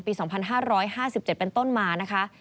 ปี๒๕๕๗เป็นต้นมานะคะ